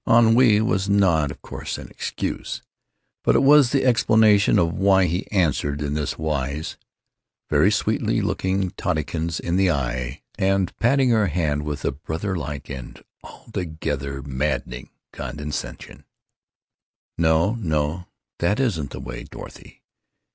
Ennui was not, of course, an excuse; but it was the explanation of why he answered in this wise (very sweetly, looking Tottykins in the eyes and patting her hand with a brother like and altogether maddening condescension): "No, no, that isn't the way, Dorothy.